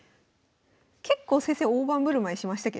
結構先生大盤振る舞いしましたけど。